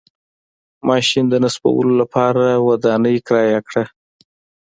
ماشین د نصبولو لپاره ودانۍ کرایه کړه.